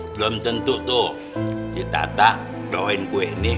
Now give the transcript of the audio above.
belum tentu tuh si tata bawain kue ini